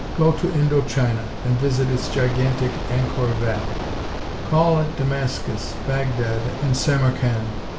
Go to Indo China and visit its gigantic Ankhor Vat; call at Damascus, Baghdad and Samarkand.